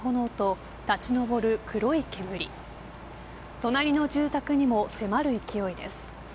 隣の住宅にも迫る勢いです。